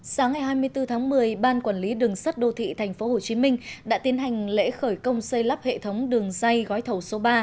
sáng ngày hai mươi bốn tháng một mươi ban quản lý đường sắt đô thị tp hcm đã tiến hành lễ khởi công xây lắp hệ thống đường dây gói thầu số ba